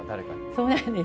そうなんです。